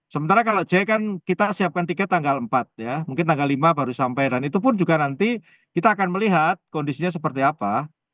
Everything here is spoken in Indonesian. sementara kalau j kan kita siapkan tiket tanggal empat ya mungkin tanggal lima baru sampai dan itu pun juga nanti kita akan melihat kondisinya seperti apa